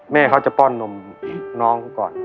แม่เขาจะป้อนนมน้องเขาก่อน